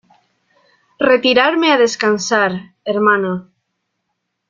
retirarme a descansar, hermana.